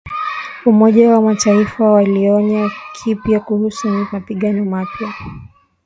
Umoja wa Mataifa waionya Libya kuhusu mapigano mapya